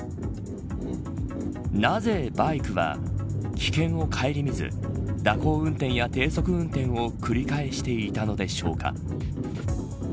なぜ、バイクは危険を顧みず蛇行運転や低速運転を繰り返していたのでしょうか。